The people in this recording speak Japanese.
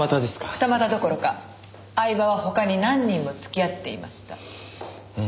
二股どころか饗庭は他に何人も付き合っていました。